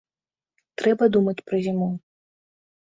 Трэба думаць пра зіму.